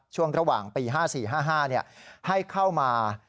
ช่วงระหว่างปี๕๔๕๕ให้เข้ามา